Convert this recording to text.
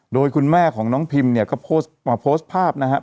โดยคุณแม่ของน้องพิมเนี่ยก็โพสต์ภาพนะฮะ